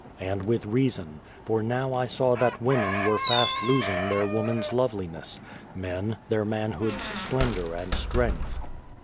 And with reason, for now I saw that women were fast losing their woman's loveliness ; men, their manhood's splendour and strength.